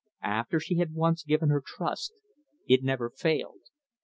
After she had once given her trust, it never failed.